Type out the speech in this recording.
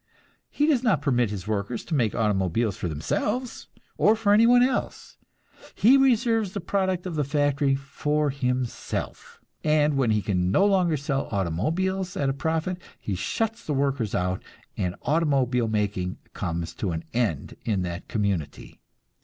He does not permit his workers to make automobiles for themselves, or for any one else. He reserves the product of the factory for himself, and when he can no longer sell automobiles at a profit, he shuts the workers out and automobile making comes to an end in that community.